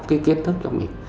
cái kiến thức cho mình